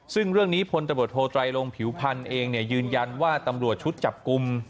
ซึ่งเรื่องนี้พลตำรวจโทไตรลงผิวพันธ์เองยืนยันว่าตำรวจชุดจับกลุ่ม